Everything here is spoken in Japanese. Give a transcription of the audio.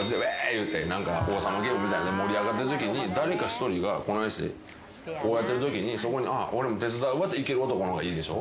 いうて何か王様ゲームみたいなので盛り上がってるときに誰か１人がこないしてこうやってるときにそこに「あっ俺も手伝うわ」っていける男の方がいいでしょ？